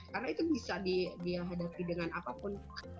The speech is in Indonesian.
karena itu bisa dihadapi dengan apapun